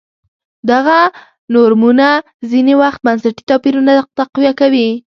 دغه نورمونه ځیني وخت بنسټي توپیرونه تقویه کوي.